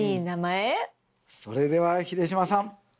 それでは秀島さん